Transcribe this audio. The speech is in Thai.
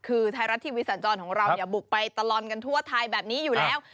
คือไทยรัฐทีวีสันจรของเราบุกไปตลอดกันทั่วไทยแบบนี้อยู่แล้ว